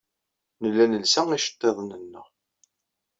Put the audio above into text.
Nella nelsa iceḍḍiḍen-nneɣ.